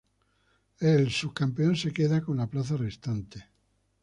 El subcampeón se queda con la plaza restante.